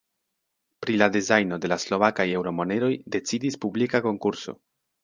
Pri la dezajno de la slovakaj eŭro-moneroj decidis publika konkurso.